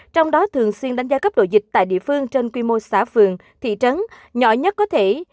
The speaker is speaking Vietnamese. trong đó thường xuyên đánh giá cấp độ dịch tại địa phương trên quy mô xã phường thị trấn nhỏ nhất có thể